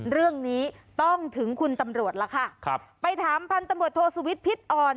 เรื่องนี้ต้องถึงคุณตำรวจล่ะค่ะครับไปถามพันธุ์ตำรวจโทษสุวิทย์พิษอ่อน